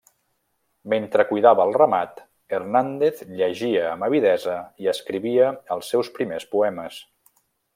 Mentre cuidava el ramat, Hernández llegia amb avidesa i escrivia els seus primers poemes.